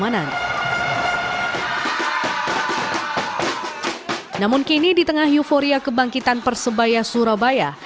namun kini di tengah euforia kebangkitan persebaya surabaya